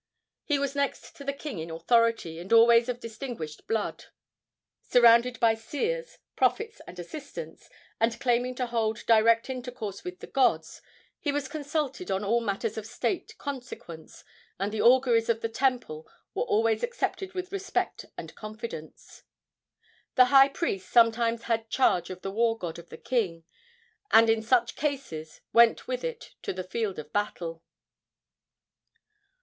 He was next to the king in authority, and always of distinguished blood. Surrounded by seers, prophets and assistants, and claiming to hold direct intercourse with the gods, he was consulted on all matters of state consequence, and the auguries of the temple were always accepted with respect and confidence. The high priest sometimes had charge of the war god of the king, and in such cases went with it to the field of battle.